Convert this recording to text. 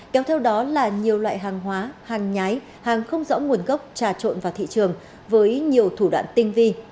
kéo theo đó là nhiều loại hàng hóa hàng nhái hàng không rõ nguồn gốc trà trộn vào thị trường với nhiều thủ đoạn tinh vi